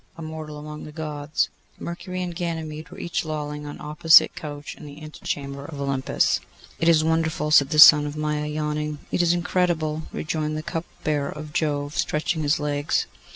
'_ A Mortal Among the Gods. MERCURY and Ganymede were each lolling on an opposite couch in the antechamber of Olympus. 'It is wonderful,' said the son of Maia, yawning. 'It is incredible,' rejoined the cupbearer of Jove, stretching his legs.